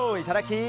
いただき！